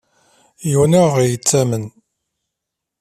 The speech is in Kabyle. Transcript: Yiwen ur ɣ-yettamen.